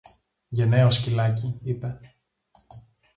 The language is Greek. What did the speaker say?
Γενναίο σκυλάκι, είπε